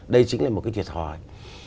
đây chính là một cái thiệt hỏi